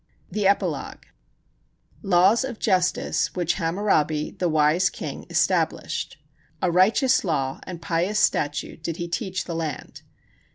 THE EPILOGUE Laws of justice which Hammurabi, the wise king, established, A righteous law, and pious statute did he teach the land.